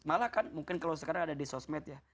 malah kan mungkin kalau sekarang ada di sosmed ya